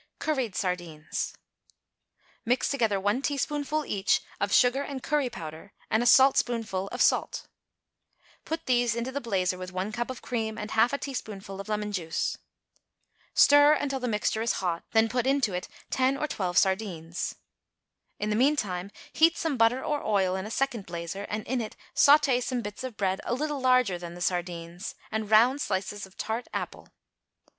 =Curried Sardines.= Mix together one teaspoonful, each, of sugar and curry powder and a saltspoonful of salt. Put these into the blazer with one cup of cream and half a teaspoonful of lemon juice. Stir until the mixture is hot, then put into it ten or twelve sardines. In the mean time, heat some butter or oil in a second blazer, and in it sauté some bits of bread a little larger than the sardines, and round slices of tart apple.